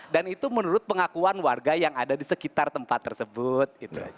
dan itu menurut pengakuan warga yang ada di sekitar tempat tersebut